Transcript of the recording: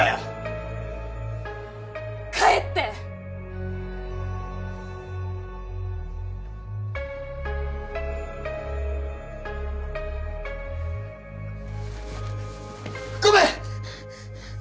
帰って！！ごめん！